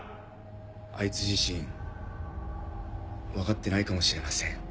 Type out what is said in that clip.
あいつ自身分かってないかもしれません。